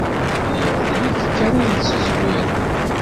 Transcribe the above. Lliɣ d nekk kan i yettezwiren.